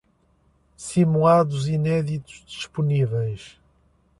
Simulados inéditos disponíveis